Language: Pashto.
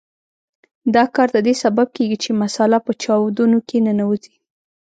دا کار د دې سبب کیږي چې مساله په چاودونو کې ننوځي.